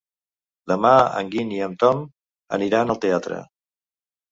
Demà en Guim i en Tom aniran al teatre.